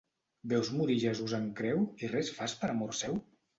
Veus morir Jesús en creu i res fas per amor seu?